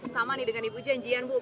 sama nih dengan ibu janjian bu